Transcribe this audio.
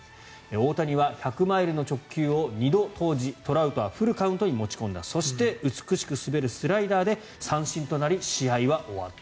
大谷は１００マイルの直球を２度投じトラウトはフルカウントに持ち込んだそして美しく滑るスライダーで三振となり試合は終わった。